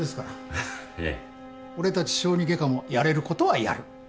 俺たち小児外科もやれることはやる。